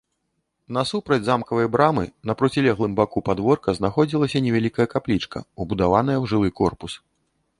Насупраць замкавай брамы, на процілеглым баку падворка знаходзілася невялікая каплічка, убудаваная ў жылы корпус.